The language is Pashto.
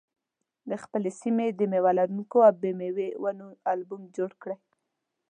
د خپلې سیمې د مېوه لرونکو او بې مېوې ونو البوم جوړ کړئ.